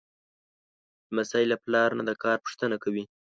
لمسی له پلار نه د کار پوښتنه کوي.